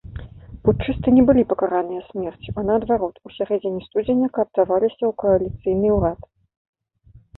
Путчысты не былі пакараныя смерцю, а, наадварот, у сярэдзіне студзеня кааптаваліся ў кааліцыйны ўрад.